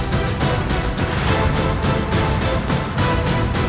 bisa kamu menang auknya